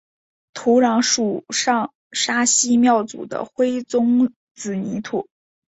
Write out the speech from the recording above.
土壤属上沙溪庙组的灰棕紫泥土。